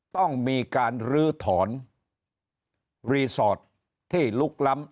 ต้องมีการลื้อถอนรีสอร์ทที่ลุกล้ำ